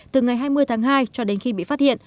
từ ngày hai mươi tháng hai cho đến khi bị phát hiện